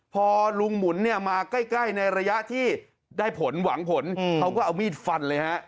พอลุงหมุนเนี่ยมาใกล้ในระยะที่ได้ผลหวังผลเขาก็เอามีดฟันเลยฮะ